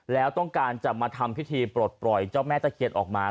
แล้วต้องการจะมาทำพิธีปลดปล่อยเจ้าแม่ตะเคียนออกมา